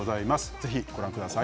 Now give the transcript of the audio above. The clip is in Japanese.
ぜひ、ご覧ください。